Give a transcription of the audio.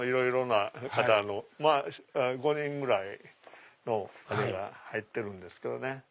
まぁ５人ぐらいのあれが入ってるんですけどね。